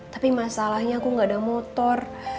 tapi masalahnya aku nggak ada motor